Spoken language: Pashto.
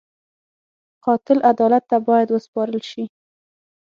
قاتل عدالت ته باید وسپارل شي